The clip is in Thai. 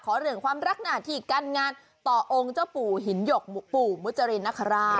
เรื่องความรักหน้าที่การงานต่อองค์เจ้าปู่หินหยกปู่มุจรินนคราช